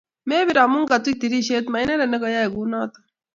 Mebir amu katuy tirishet, mainendet negayey kunoto